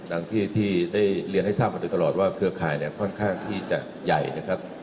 ดังที่ได้เรียนให้ทราบมาโดยตลอดว่าเครือข่ายเนี่ยค่อนข้างที่จะใหญ่นะครับ